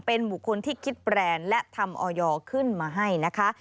เป็นบุคคลที่คิดแบรนด์และทำออยขึ้นมาให้นะคะ